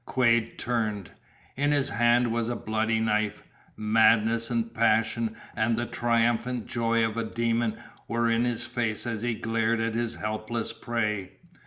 Quade turned. In his hand was a bloody knife. Madness and passion and the triumphant joy of a demon were in his face as he glared at his helpless prey.